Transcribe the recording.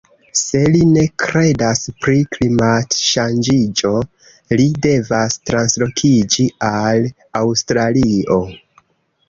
Se li ne kredas pri klimat-ŝanĝiĝo li devas translokiĝi al Aŭstralio